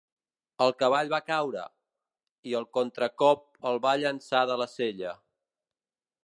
El cavall va caure, i el contracop el va llançar de la sella.